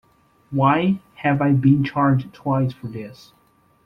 Why have I been charged twice for this?